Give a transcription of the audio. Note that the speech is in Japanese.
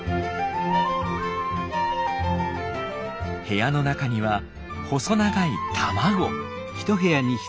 部屋の中には細長い卵。